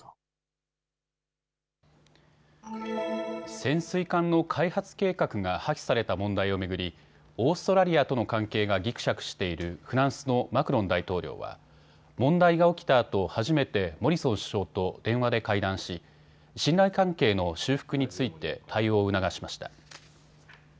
潜水艦の開発計画が破棄された問題を巡り、オーストラリアとの関係がぎくしゃくしているフランスのマクロン大統領は問題が起きたあと初めてモリソン首相と電話で会談し、信頼関係の修復について対応を促しました。